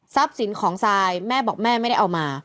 สินของซายแม่บอกแม่ไม่ได้เอามา